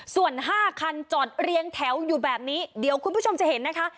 ส่วน๕คันจอดเรียงแถวอยู่แบบนี้เดี๋ยวคุณผู้ชมจะเห็นนะคะ